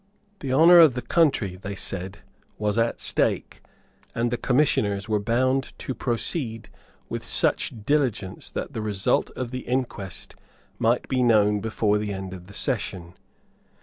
The honour of the country, they said, was at stake; and the Commissioners were bound to proceed with such diligence that the result of the inquest might be known before the end of the session.